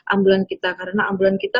ambulan kita karena ambulan kita